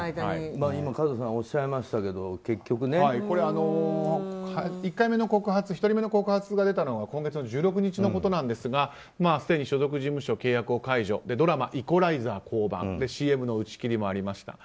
今、和津さんおっしゃいましたけど１人目の告発が出たのは今月の１６日のことなんですがすでに所属事務所、契約を解除ドラマ「イコライザー」降板ＣＭの打ち切りもありました。